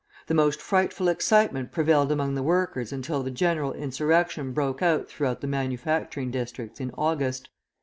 The most frightful excitement prevailed among the workers until the general insurrection broke out throughout the manufacturing districts in August.